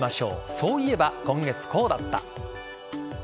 そういえば今月こうだった。